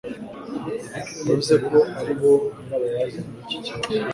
Yavuze ko ari bo nyirabayazana w'iki kibazo